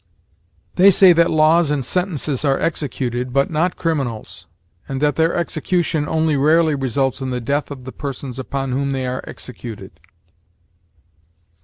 They say that laws and sentences are executed, but not criminals, and that their execution only rarely results in the death of the persons upon whom they are executed.